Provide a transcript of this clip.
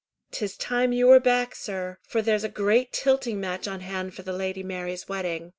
"'Tis time you were back, sir, for there's a great tilting match on hand for the Lady Mary's wedding.